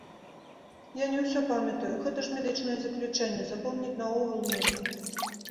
Я не ўсе памятаю, гэта ж медычнае заключэнне, запомніць наогул нельга.